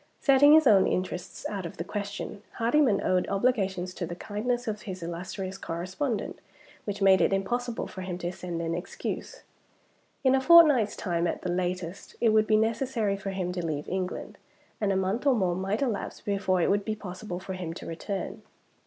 Setting his own interests out of the question, Hardyman owed obligations to the kindness of his illustrious correspondent which made it impossible for him to send an excuse. In a fortnight's time, at the latest, it would be necessary for him to leave England; and a month or more might elapse before it would be possible for him to return.